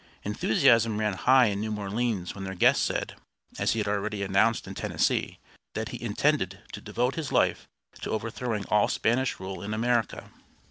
Enthusiasm ran high in New Orleans when their guest said, as he had already announced in Tennessee, that he intended to devote his life to overthrowing all Spanish rule in America.